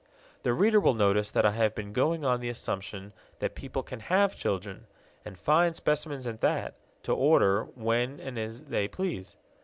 The reader will notice that I have been going on the assumption that people can have children, and fine specimens at that, to order when and as they please.